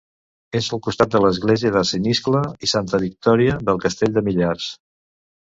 És al costat de l'església de Sant Iscle i Santa Victòria del castell de Millars.